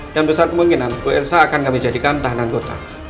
dan besar kemungkinan kuehsa akan kami jadikan tahanan kota